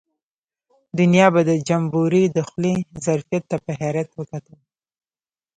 دنیا به د جمبوري د خولې ظرفیت ته په حیرت وکتل.